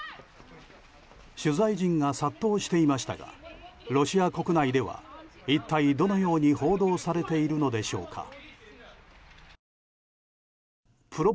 取材陣が殺到していましたがロシア国内では一体、どのように報道されているのでしょうか。